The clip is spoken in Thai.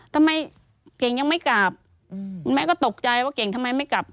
ทำไมเก่งยังไม่กลับแม่ก็ตกใจว่าเก่งทำไมไม่กลับ